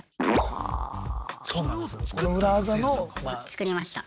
作りました。